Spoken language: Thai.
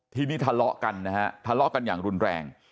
ทีนี้ทะเลาะกันนะฮะทะเลาะกันอย่างรุนแรง